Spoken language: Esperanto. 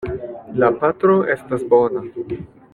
La patro estas bona.